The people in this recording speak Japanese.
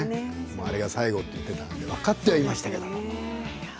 あれが最後と言っていたから分かってはいましたけど。